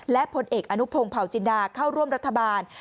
และผลเอกอนุพงศ์เผาจินดาเข้าร่วมรัฐบาล